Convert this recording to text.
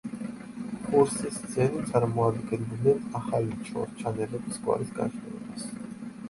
ხურსისძენი წარმოადგენდნენ ახალი ჩორჩანელების გვარის განშტოებას.